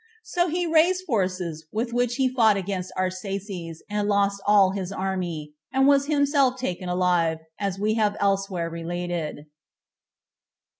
So he raised forces, with which he fought against Arsaces, and lost all his army, and was himself taken alive, as we have elsewhere related.